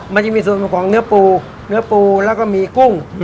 มันจะมีส่วนของเนื้อปูเนื้อปูแล้วก็มีกุ้ง